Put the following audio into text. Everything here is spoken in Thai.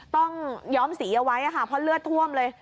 ย้อมสีเอาไว้ค่ะเพราะเลือดท่วมเลย